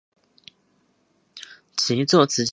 其作词家的身份获得极高的评价。